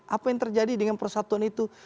apa yang terjadi dengan persatuan itu